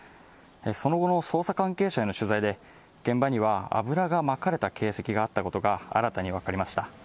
その後の捜査関係者への取材で、現場には油がまかれた形跡があったことが新たに分かりました。